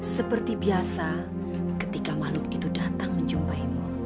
seperti biasa ketika makhluk itu datang menjumpaimu